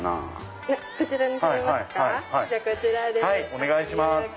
お願いします。